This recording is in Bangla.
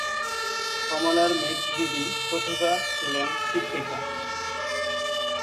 কমলার মেজ দিদি প্রতিভা ছিলেন শিক্ষিকা।